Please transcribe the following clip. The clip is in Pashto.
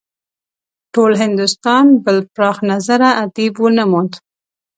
ټول هندوستان بل پراخ نظره ادیب ونه موند.